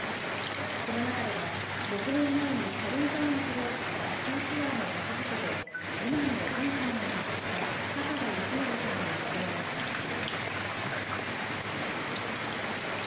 この中では６年前に軽井沢町で起きたスキーツアーのバス事故で次男の寛さんを亡くした田原義則さんが講演しました。